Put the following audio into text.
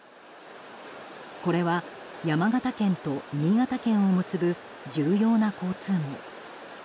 これは山形県と新潟県を結ぶ重要な交通網。